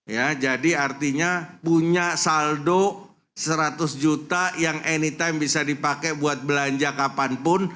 ya jadi artinya punya saldo seratus juta yang anytime bisa dipakai buat belanja kapanpun